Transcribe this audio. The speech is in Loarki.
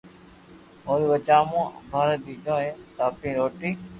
اوري وجہ مون اپارا بچو اي دھاپين روٽي